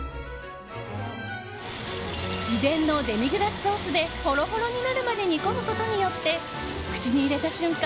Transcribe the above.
秘伝のデミグラスソースでほろほろになるまで煮込むことによって口に入れた瞬間